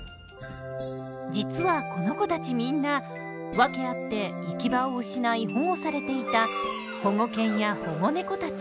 実はこの子たちみんな訳あって行き場を失い保護されていた保護犬や保護猫たち。